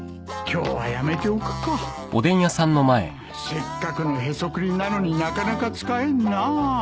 せっかくのへそくりなのになかなか使えんなあ。